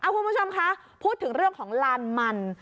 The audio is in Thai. คุณผู้ชมคะพูดถึงเรื่องของลานมัน